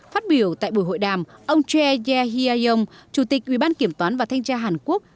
phát biểu tại buổi hội đàm ông choi ye hye yong chủ tịch ubnd kiểm toán và thanh tra hàn quốc